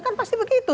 kan pasti begitu